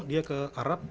dia ke arab